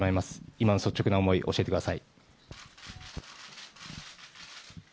今の率直な思いを教えてください。